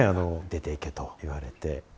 出て行けと言われて。